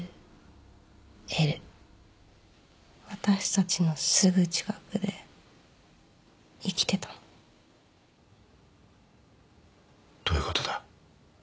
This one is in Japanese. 私たちのすぐ近くで生きてたのどういうことだ？